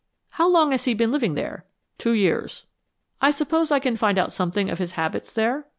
"How long has he been living there?" "Two years." "I suppose I can find out something of his habits there."